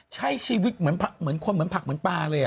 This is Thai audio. ใช่ชีวิตเหมือนผักเหมือนคนเหมือนผักเหมือนปลาเลยอ่ะ